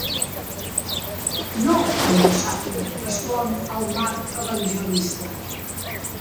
No, que jo sàpiga —respon el Marc Evangelista.